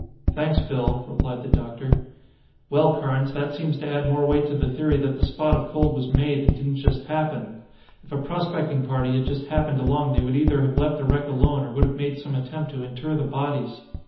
"Thanks, Bill," replied the doctor. "Well, Carnes, that seems to add more weight to the theory that the spot of cold was made and didn't just happen. If a prospecting party had just happened along they would either have left the wreck alone or would have made some attempt to inter the bodies.